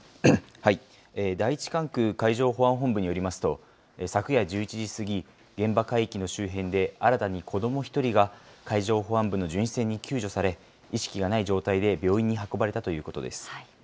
第１管区海上保安本部によりますと、昨夜１１時過ぎ、現場海域の周辺で新たに子ども１人が、海上保安部の巡視船に救助され、意識がない状態で病院に運ばれたということです。